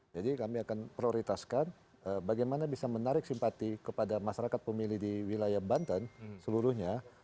jadi kami akan prioritaskan bagaimana bisa menarik simpati kepada masyarakat pemilih di wilayah banten seluruhnya